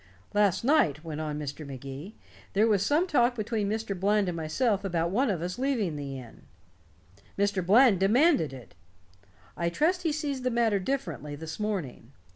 "Last night," went on Mr. Magee, "there was some talk between Mr. Bland and myself about one of us leaving the inn. Mr. Bland demanded it. I trust he sees the matter differently this morning.